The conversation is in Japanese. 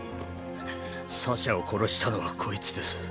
⁉サシャを殺したのはこいつです。